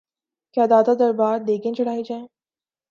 یا داتا دربار دیگیں چڑھائی جائیں؟